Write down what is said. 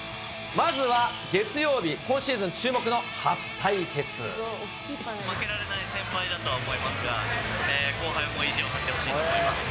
まずは月曜日、負けられない先輩だとは思いますが、後輩も意地を張ってほしいと思います。